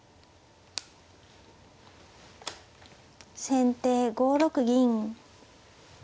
先手５六銀。